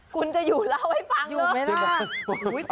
คุณจะอยู่เล่าให้ฟังเลยจริงไหมโอ๊ยแต่